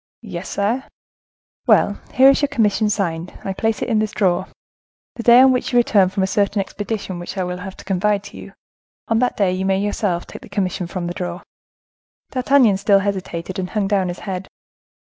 "Yes, sire." "Well, here is your commission signed. I place it in this drawer. The day on which you return from a certain expedition which I have to confide to you, on that day you may yourself take the commission from the drawer." D'Artagnan still hesitated, and hung down his head.